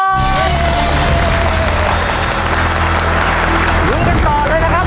ลุ้นกันต่อเลยนะครับ